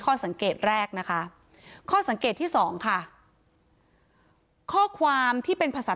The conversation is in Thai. ข้อสังเกตแรกนะคะข้อสังเกตที่สองค่ะข้อความที่เป็นภาษา